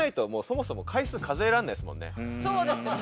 そうですよね。